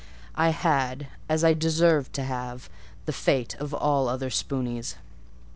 I had—as I deserved to have—the fate of all other spoonies.